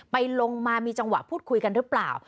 ไปลงมามีจังหวะพูดคุยกันหรือเปล่า